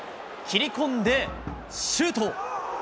切り込んでシュート！